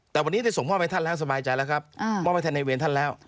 แต่วันนี้ได้ส่งมอบให้ท่านแล้วสบายใจแล้วครับมอบให้ท่านในเวรท่านแล้ว